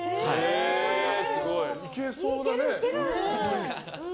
いけそうなね。